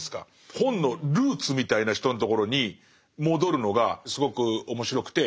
本のルーツみたいな人のところに戻るのがすごく面白くて。